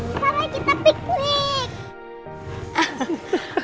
sekarang kita piknik